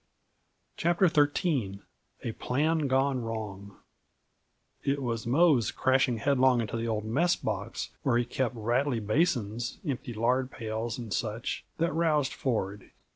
CHAPTER XIII A Plan Gone Wrong It was Mose crashing headlong into the old messbox where he kept rattly basins, empty lard pails, and such, that roused Ford.